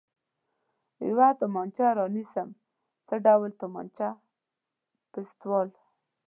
یوه تومانچه را نیسم، څه ډول تومانچه؟ پېسټول.